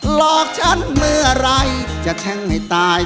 หลอกฉันเมื่อไหร่จะแทงให้ตาย